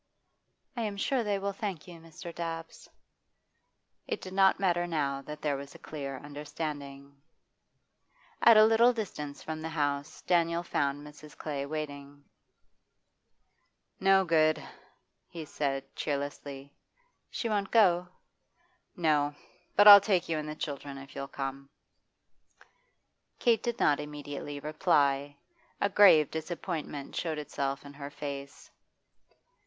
'I am sure they will thank you, Mr. Dabbs.' It did not matter now that there was a clear understanding. At a little distance from the house door Daniel found Mrs. Clay waiting. 'No good,' he said cheerlessly. 'She won't go?' 'No. But I'll take you and the children, if you'll come.' Kate did not immediately reply. A grave disappointment showed itself in her face.